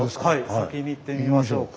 先に行ってみましょうか。